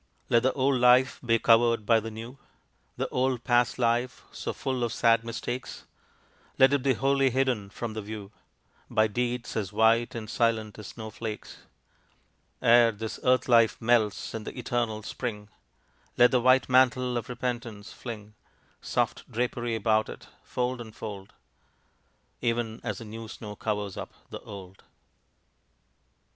Let the old life be covered by the new: The old past life so full of sad mistakes, Let it be wholly hidden from the view By deeds as white and silent as snow flakes. Ere this earth life melts in the eternal Spring Let the white mantle of repentance, fling Soft drapery about it, fold on fold, Even as the new snow covers up the old.